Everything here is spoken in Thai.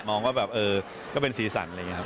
ว่าแบบเออก็เป็นสีสันอะไรอย่างนี้ครับ